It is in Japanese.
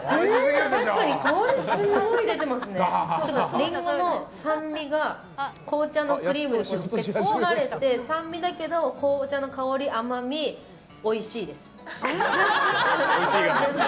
リンゴの酸味が紅茶のクリームに包まれて酸味だけど紅茶の香り、甘みおいしいです。